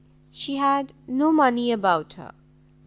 She had no money about her.